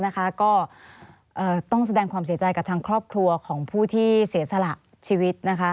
ก็ต้องแสดงความเสียใจกับทางครอบครัวของผู้ที่เสียสละชีวิต